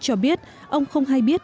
cho biết ông không hay biết